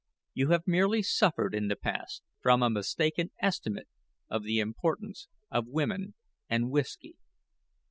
You have merely suffered in the past from a mistaken estimate of the importance of women and whisky."